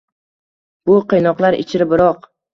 Bu qiynoqlar ichra biroq